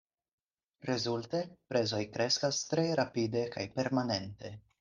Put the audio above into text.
Rezulte, prezoj kreskas tre rapide kaj permanente.